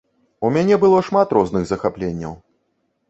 У мяне было шмат розных захапленняў.